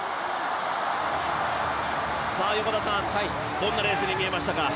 どんなレースに見えましたか？